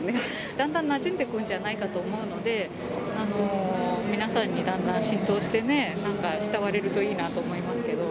だんだんなじんでいくんじゃないかと思うので、皆さんにだんだん浸透してね、慕われるといいなと思いますけど。